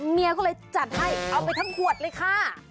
เมียก็เลยจัดให้เอาไปทั้งขวดเลยค่ะ